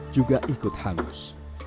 juga ikut hangus